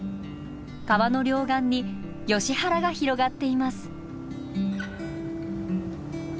川の両岸にヨシ原が広がっています。